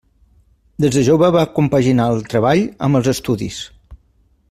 Des de jove va compaginar el treball amb els estudis.